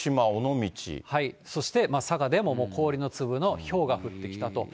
そして、佐賀でも氷の粒のひょうが降ってきたと。